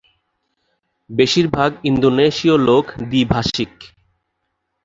বেশির ভাগ ইন্দোনেশীয় লোক দ্বিভাষিক।